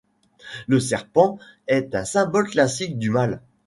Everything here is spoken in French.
Le serpent est un symbole classique du mal.